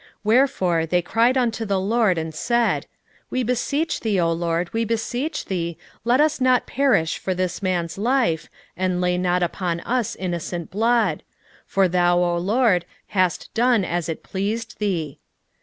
1:14 Wherefore they cried unto the LORD, and said, We beseech thee, O LORD, we beseech thee, let us not perish for this man's life, and lay not upon us innocent blood: for thou, O LORD, hast done as it pleased thee.